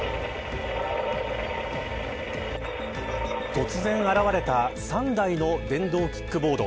突然現れた３台の電動キックボード。